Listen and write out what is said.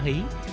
xã hồ chí minh